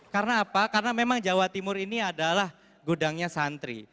karena apa karena memang jawa timur ini adalah gudangnya santri